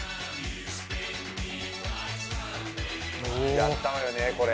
やったわよねこれ。